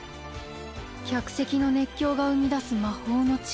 客席の熱狂が生み出す魔法の力。